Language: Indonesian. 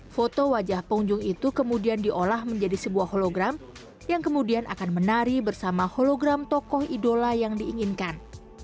foto wajah pengunjung itu kemudian diolah menjadi sebuah hologram yang kemudian akan menari bersama hologram tokoh idola yang diinginkan